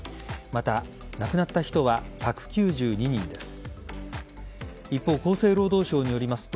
また亡くなった人は１９２人です。